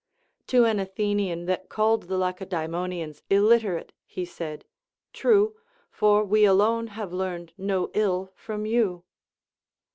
To an Athenian that called the Lacedaemonians illiterate he said. True ; for we alone have learned no ill from you.